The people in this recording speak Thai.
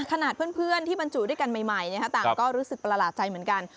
ขนาดเพื่อนที่บรรจุด้วยกันใหม่ต่างก็รู้สึกประหลาดใจเหมือนกัน